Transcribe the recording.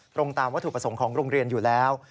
ตรงตามวัตถุประสงค์ของโรงเรียนอยู่แล้ว